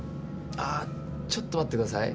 あーちょっと待ってください。